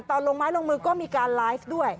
ลงไม้ลงมือก็มีการไลฟ์ด้วย